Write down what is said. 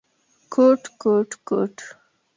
_کوټ، کوټ ، کوټ…